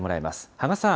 芳賀さん。